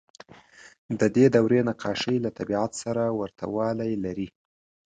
د دې دورې نقاشۍ له طبیعت سره ورته والی لري.